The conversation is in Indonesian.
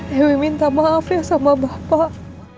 ibu minta maaf ya sama bapak